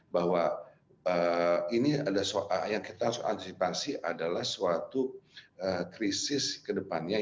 bahwa ini yang kita harus antisipasi adalah suatu krisis ke depannya